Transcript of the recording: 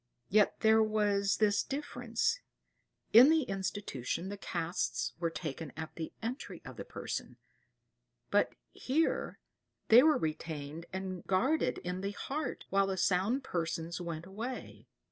Yet there was this difference, in the institution the casts were taken at the entry of the patient; but here they were retained and guarded in the heart while the sound persons went away.